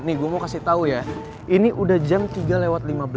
nih gue mau kasih tau ya ini udah jam tiga lewat lima belas